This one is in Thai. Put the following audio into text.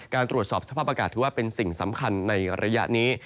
ตรวจสอบสภาพอากาศถือว่าเป็นสิ่งสำคัญในระยะนี้